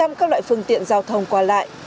và có hàng trăm các loại phương tiện giao thông qua lại